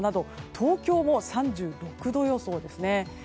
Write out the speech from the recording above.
東京も３６度予想ですね。